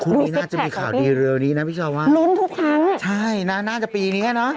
นี่ไงดูซิกแพ็คของพี่รุ้นทุกครั้งใช่น่าจะปีนี้เนอะ